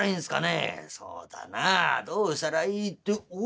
「そうだなどうしたらいいっておっとっと」。